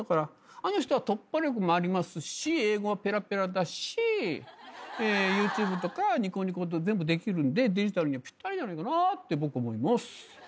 あの人は突破力もありますし英語はぺらぺらだしＹｏｕＴｕｂｅとかニコニコ全部できるんでデジタルにはぴったりじゃないかなって僕思います。